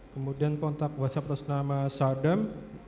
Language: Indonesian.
kemudian kontak whatsapp atas nama sadam